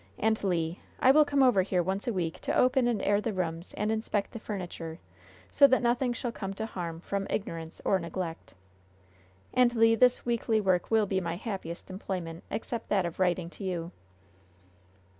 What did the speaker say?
And, Le, I will come over here once every week to open and air the rooms and inspect the furniture, so that nothing shall come to harm from ignorance or neglect. And, Le, this weekly work will be my happiest employment, except that of writing to you."